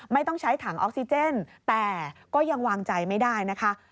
ไม่ต้องใช้ถังออกซิเจนแต่ก็ยังวางใจไม่ได้นะคะ